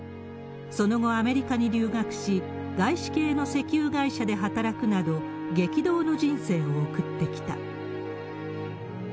その後、アメリカに留学し、外資系の石油会社で働くなど、激動の人生を送ってきた。